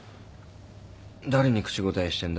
誰に口答えしてんだ